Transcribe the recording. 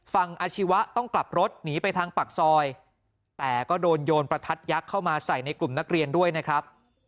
อาชีวะต้องกลับรถหนีไปทางปากซอยแต่ก็โดนโยนประทัดยักษ์เข้ามาใส่ในกลุ่มนักเรียนด้วยนะครับ